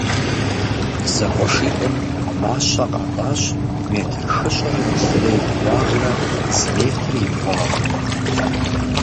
Зэкъуэшитӏым мащэ къатӏащ метр хыщӏрэ блырэ и кууагърэ зы метр и бгъуагъыу.